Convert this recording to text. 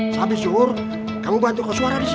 sabi syukur kamu bantu kau suara disini